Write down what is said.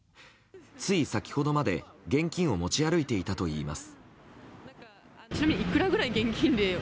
つい先ほどまで現金を持ち歩いていたといいます。